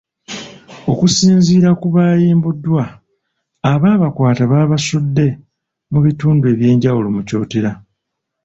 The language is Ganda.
Okusinziira ku baayimbuddwa, abaabakwata babasudde mu bitundu ebyenjawulo mu Kyotera.